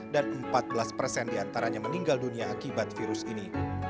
dan empat belas diantaranya meninggal dunia akibat virus ini